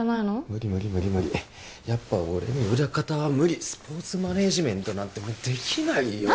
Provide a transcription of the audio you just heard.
無理無理無理無理やっぱ俺に裏方は無理スポーツマネジメントなんてできないよ